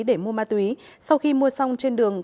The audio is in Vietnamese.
để mua ma túy sau khi mua xong trên đường